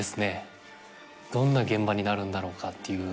どんな現場になるんだろうかっていう。